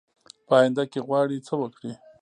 په آینده کې غواړي څه وکړي ؟